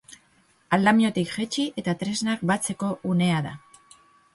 Aldamiotik jaitsi eta tresnak batzeko unea da.